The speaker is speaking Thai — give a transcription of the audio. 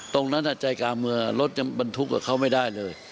ตรงนั้นใจกลางเมืองรถบรรทุกก็เข้าไม่ได้เลย